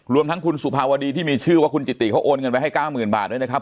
รวมทั้งคุณสุภาวดีที่มีชื่อว่าคุณจิติเขาโอนเงินไว้ให้๙๐๐บาทด้วยนะครับ